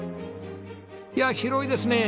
いや広いですね！